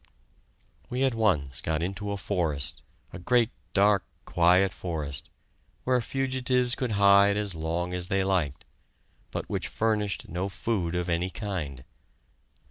We at once got into a forest, a great dark, quiet forest, where fugitives could hide as long as they liked, but which furnished no food of any kind.